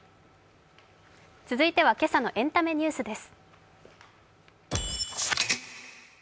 続いては今朝のエンタメニュースです。